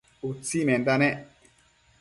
utsimenda nec